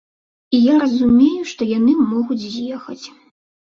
І я разумею, што яны могуць з'ехаць.